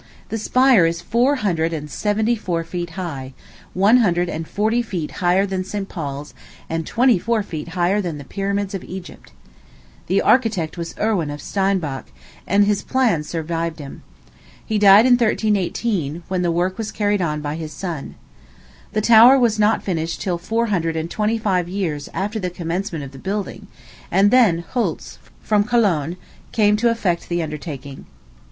The spire is four hundred and seventy four feet high one hundred and forty feet higher than St. Paul's, and twenty four feet higher than the Pyramids of Egypt. The architect was Erwin of Steinbach, and his plans survived him. He died in 1318, when the work was carried on by his son. The tower was not finished till four hundred and twenty five years after the commencement of the building, and then Hültz, from Cologne, came to effect the undertaking.